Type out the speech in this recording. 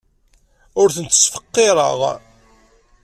Ur ten-ttfeqqireɣ.